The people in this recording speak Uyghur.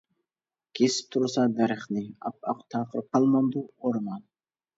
كېسىپ تۇرسا دەرەخنى، ئاپئاق تاقىر قالمامدۇ ئورمان.